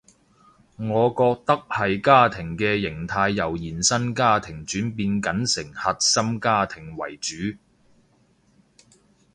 我覺得係家庭嘅型態由延伸家庭轉變緊成核心家庭為主